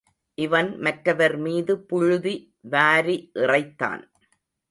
இவன் மற்றவர் மீது புழுதி வாரி இறைத்தான்.